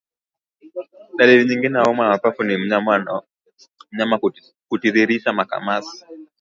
Dalili nyingine ya homa ya mapafu ni mnyama ni mnyama kutiririsha makamasi